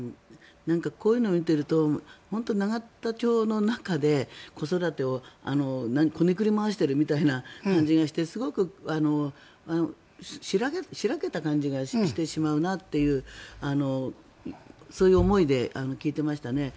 こういうのを見ていると永田町の中で子育てをこねくり回しているみたいな感じがして白けた感じがしてしまうなとそういう思いで聞いていました。